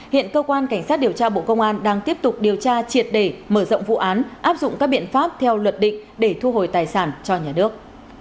hiện cơ quan cảnh sát điều tra bộ công an đang tiếp tục điều tra triệt đề mở rộng vụ án áp dụng các biện pháp theo luật định để thu hồi tài sản cho nhà nước